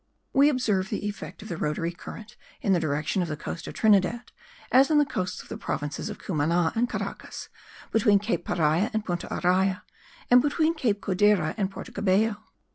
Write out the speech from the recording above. We observe the effect of the rotatory current in the direction of the coast of Trinidad, as in the coasts of the provinces of Cumana and Caracas, between Cape Paria and Punta Araya and between Cape Codera and Porto Cabello.